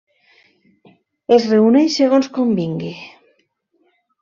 Es reuneix segons convingui.